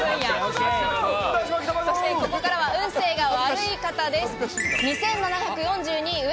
そしてここからは運勢が悪い方です。